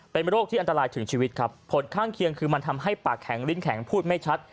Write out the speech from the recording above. เป็นโรคที่อันตรายถึงชีวิตครับผลข้างเคียงคือมันทำให้ปากแข็งลิ้นแข็งพูดไม่ชัด